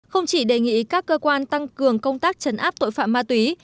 không chỉ đề nghị các cơ quan tăng cường công tác chấn áp tội phạm ma túy